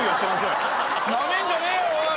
なめんじゃねえよおい！